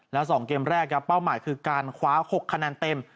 แล้ว๒เกมแรกครับเป้าหมายคือการคว้า๖คะแนนเต็ม